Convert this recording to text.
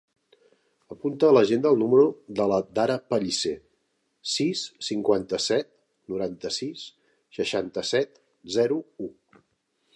Apunta a l'agenda el número de la Dara Pellicer: sis, cinquanta-set, noranta-sis, seixanta-set, zero, u.